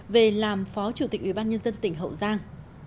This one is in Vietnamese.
về làm phó chủ tịch ubnd tỉnh hậu giang